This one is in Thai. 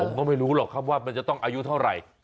ผมก็ไม่รู้หรอกครับว่ามันจะต้องอายุเท่าไหร่